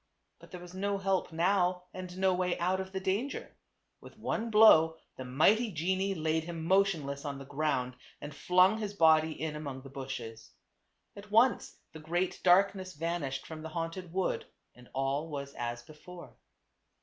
But there was no help now, and no way out of the danger. With one blow the mighty genie laid hiin motion less on the ground and flung his body in among the bushes. At once the great darkness vanished from the haunted wood and all was as before.